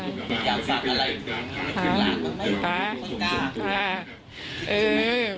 อยากฝากอะไรเหมือนกันคือหลานมันไม่เป็นคนกล้า